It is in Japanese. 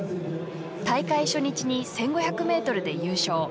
大会初日に１５００ｍで優勝。